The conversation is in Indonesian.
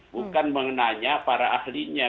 bukan mengenanya para ahlinya